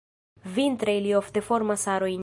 Vintre ili ofte formas arojn.